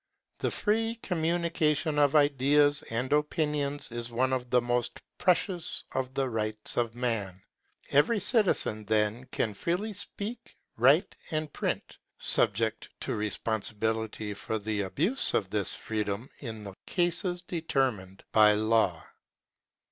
The free communication of ideas and opinions is one of the most precious of the rights of man ; every citizen then can freely speak, write, and print, subject to responsibility for the abuse of this freedom in the cases determined by law.